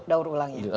di daur ulang ya